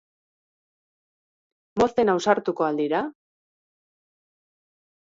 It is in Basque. Mozten ausartuko al dira?